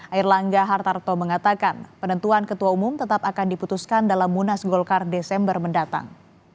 air langga hartarto mengatakan penentuan ketua umum tetap akan diputuskan dalam munas golkar desember mendatang